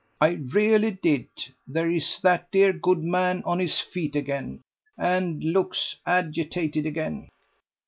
"I really did. There is that dear good man on his feet again. And looks agitated again."